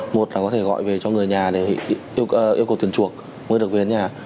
một là có thể gọi về cho người nhà để yêu cầu tiền chuộc mới được về nhà